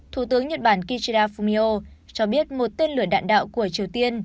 thủ tướng nhật bản kishida fumio cho biết một tên lửa đạn đạo của triều tiên